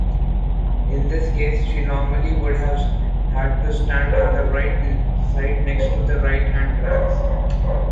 In this case, she normally would have had to stand on the right side next to the right-hand tracks.